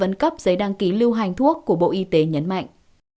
phân cấp giấy đăng ký lưu hành thuốc của bộ y tế nhấn mạnh